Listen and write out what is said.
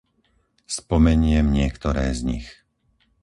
Spomeniem niektoré z nich.